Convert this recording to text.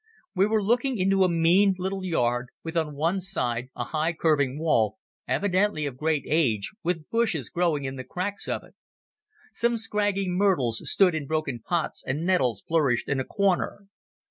We were looking into a mean little yard, with on one side a high curving wall, evidently of great age, with bushes growing in the cracks of it. Some scraggy myrtles stood in broken pots, and nettles flourished in a corner.